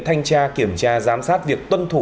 thanh tra kiểm tra giám sát việc tuân thủ